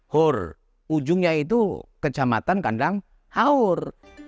hur ujungnya itu kecamatan kandang haur